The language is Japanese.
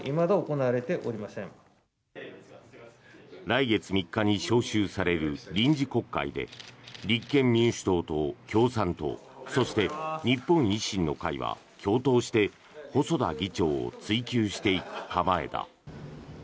来月３日に召集される臨時国会で立憲民主党と共産党そして日本維新の会は共闘して細田議長を追及していく構えだ。